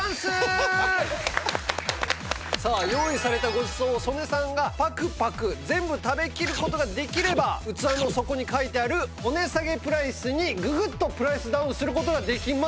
さあ用意されたごちそうを曽根さんがパクパク全部食べきる事ができれば器の底に書いてあるお値下げプライスにググッとプライスダウンする事ができます！